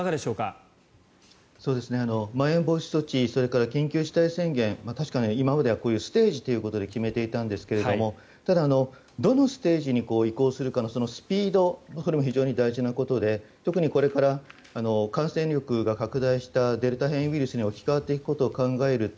それから緊急事態宣言確かに今まではステージということで決めていたんですがただ、どのステージに移行するかのスピードも非常に大事なことで特にこれから感染力が拡大したデルタ変異ウイルスに置き換わっていくことを考えると